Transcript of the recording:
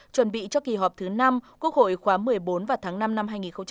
chuẩn bị cho kỳ họp thứ năm quốc hội khóa một mươi bốn vào tháng năm năm hai nghìn hai mươi